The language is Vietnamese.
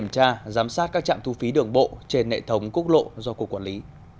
các trạm thu phí đường bộ trên nệm thống quốc lộ do cục quản lý